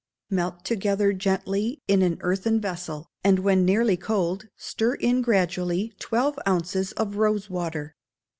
Melt together gently in an earthen vessel, and when nearly cold stir in gradually twelve ounces of rose water.